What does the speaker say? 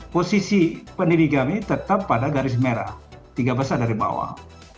posisi pendidik kami tetap pada garis merah tiga besar dari bawah